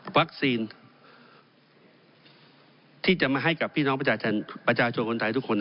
ที่จะมาให้กับพี่น้องประชาชนคนไทยทุกคน